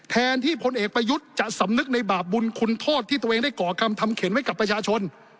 แทนที่พลเอกประยุทธ์จะสำนึกในบาปบุญคุณโทษที่ตัวเองได้ก่อคำทำเข็นไว้กับประชาชน